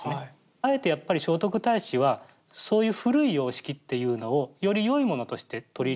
あえてやっぱり聖徳太子はそういう古い様式っていうのをよりよいものとして取り入れたと思うんですね。